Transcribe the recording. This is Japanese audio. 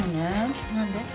何で？